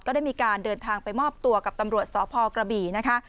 ได้มีการเดินทางไปมอบตัวกับตำรวจสพกระบี่นะคะ